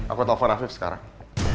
aku telpon afif sekarang